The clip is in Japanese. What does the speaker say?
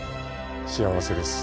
幸せです。